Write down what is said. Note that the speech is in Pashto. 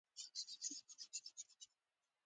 کشکې د هغې پيريان مسلمان وای